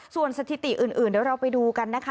ส่วนสถิติอื่นเดี๋ยวเราไปดูกันนะคะ